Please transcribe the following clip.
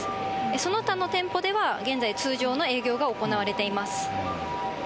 その他の店舗では現在、通常の営業が行われています。